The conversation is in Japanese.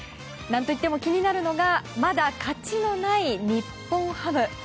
何といっても気になるのがまだ勝ちのない日本ハム。